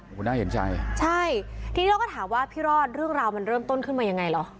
โอ้โหน่าเห็นใจใช่ทีนี้เราก็ถามว่าพี่รอดเรื่องราวมันเริ่มต้นขึ้นมายังไงเหรอ